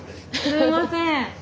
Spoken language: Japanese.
すいません。